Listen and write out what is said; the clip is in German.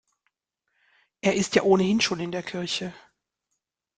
Er ist ja ohnehin schon in der Kirche.